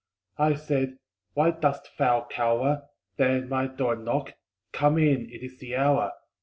I said, _Why dost thou cower There at my door and knock? Come in! It is the hour!